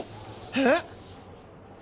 えっ？